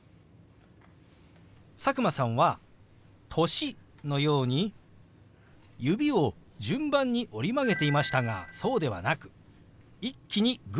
佐久間さんは「歳」のように指を順番に折り曲げていましたがそうではなく一気にグーの形にするんです。